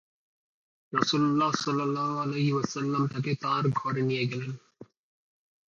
রাসূলুল্লাহ সাল্লাল্লাহু আলাইহি ওয়াসাল্লাম তাকে তাঁর ঘরে নিয়ে গেলেন।